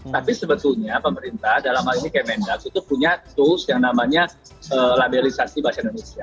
tapi sebetulnya pemerintah dalam hal ini kemendak itu punya tools yang namanya labelisasi bahasa indonesia